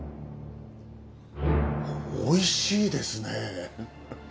美味しいですね。